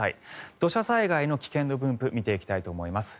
土砂災害の危険度分布見ていきたいと思います。